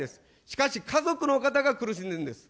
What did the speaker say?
しかし、家族の方が苦しむんです。